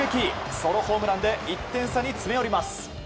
そのホームランで１点差に詰め寄ります。